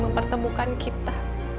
dia akan menemukan kita